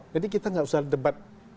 jadi kita nggak usah debat